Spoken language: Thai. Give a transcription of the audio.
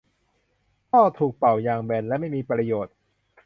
ท่อถูกเป่า ยางแบน และไม่มีประโยชน์